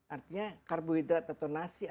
artinya karbohidrat atau nasi atau gula